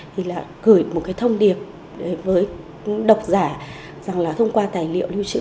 thì là gửi một thông điệp với độc giả rằng là thông qua tài liệu liêu chữ